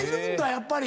やっぱり。